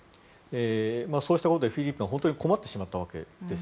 そうしたことでフィリピンは本当に困ってしまったわけです。